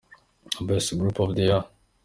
Best group of the Year.